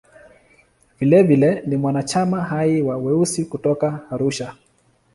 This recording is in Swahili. Vilevile ni mwanachama hai wa "Weusi" kutoka Arusha.